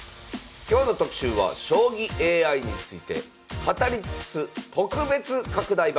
今日の特集は将棋ＡＩについて語り尽くす特別拡大版。